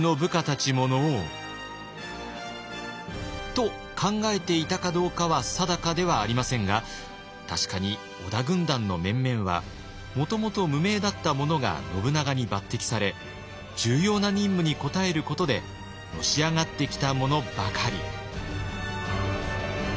と考えていたかどうかは定かではありませんが確かに織田軍団の面々はもともと無名だった者が信長に抜擢され重要な任務に応えることでのし上がってきた者ばかり。